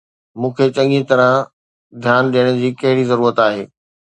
مون کي چڱيءَ طرح ڌيان ڏيڻ جي ڪهڙي ضرورت آهي؟